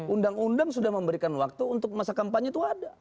undang undang sudah memberikan waktu untuk masa kampanye itu ada